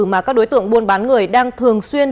mà các đối tượng buôn bán người đang thường xuyên